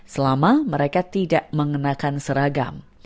selama mereka tidak mengenakan seragam